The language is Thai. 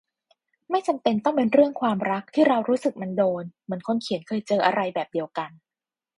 ไม่จำเป็นต้องเป็นเรื่องความรัก ที่เรารู้สึกมันโดน เหมือนคนเขียนเคยเจออะไรแบบเดียวกัน